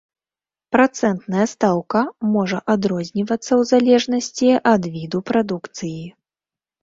Працэнтная стаўка можа адрознівацца ў залежнасці ад віду прадукцыі.